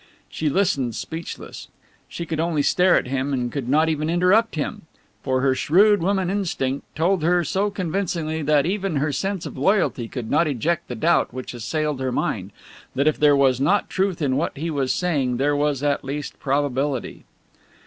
She listened speechless. She could only stare at him and could not even interrupt him. For her shrewd woman instinct told her so convincingly that even her sense of loyalty could not eject the doubt which assailed her mind, that if there was not truth in what he was saying there was at least probability.